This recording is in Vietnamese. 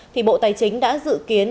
thì bộ tài chính đã dự kiến